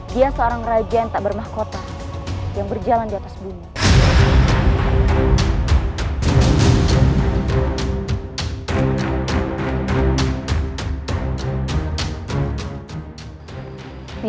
dia seorang raja yang tak bermahkota yang berjalan di atas bumi